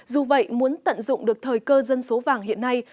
dù vậy muốn tận dụng được thời cơ dân số vàng hiện nay